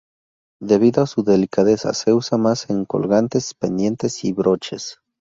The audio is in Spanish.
Debido a su delicadeza, se usa más en colgantes, pendientes y broches.